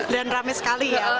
dan rame sekali ya